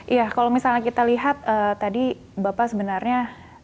iya kalau misalnya kita lihat tadi bapak sebenarnya